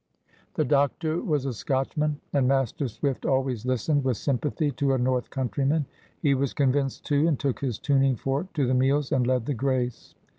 '" The doctor was a Scotchman, and Master Swift always listened with sympathy to a North countryman. He was convinced, too, and took his tuning fork to the meals, and led the grace.